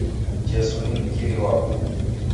Jesu ni mkiri wapo.